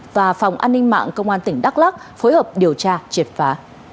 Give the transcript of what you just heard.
và phòng an ninh mạng công an tỉnh đắk lắc phối hợp điều tra triệt phá